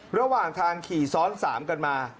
ระหว่างทางขี่ซ้อน๓กันมา